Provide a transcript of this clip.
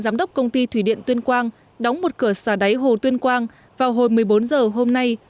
giám đốc công ty thủy điện tuyên quang đóng một cửa xả đáy hồ tuyên quang vào hồi một mươi bốn h hôm nay